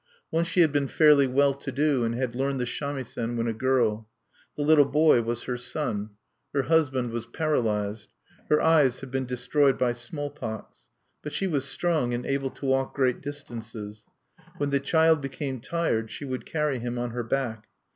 Once she had been fairly well to do, and had learned the samisen when a girl. The little boy was her son. Her husband was paralyzed. Her eyes had been destroyed by smallpox. But she was strong, and able to walk great distances. When the child became tired, she would carry him on her back.